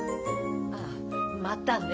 ああまたね。